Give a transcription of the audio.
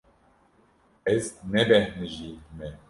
Ez nebêhnijî me.